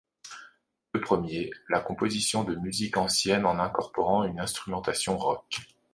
Le premier, la composition de musique ancienne en incorporant une instrumentation rock.